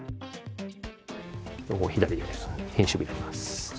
ここを左で編集部になります。